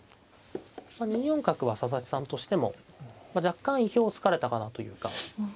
２四角は佐々木さんとしても若干意表をつかれたかなというか。